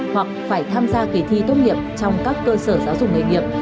hoặc phải tham gia kỳ thi tốt nghiệp trong các cơ sở giáo dục nghề nghiệp